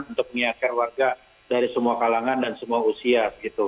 untuk mengingatkan warga dari semua kalangan dan semua usia